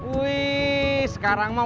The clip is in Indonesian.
wih sekarang mau